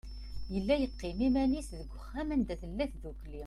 Yella yeqqim iman-is deg uxxam anda tella tdukkli.